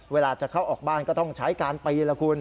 เวลาจะเข้าออกบ้านก็ต้องใช้การปีนละคุณ